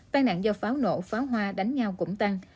tai nạn do pháo nổ pháo hoa đánh nhau cũng tăng